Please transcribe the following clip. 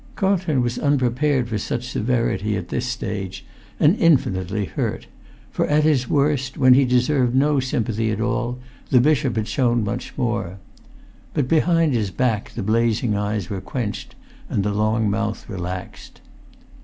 Carlton was unprepared for such severity at this stage; and infinitely hurt; for at his worst, when he deserved no sympathy at all, the bishop had shown much more. But behind his back the blazing eyes were quenched, and the long mouth relaxed.